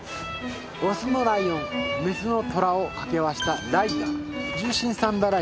オスのライオンメスのトラを掛け合わせたライガー。